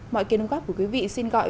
mọi kênh ủng hộ của quý vị xin gọi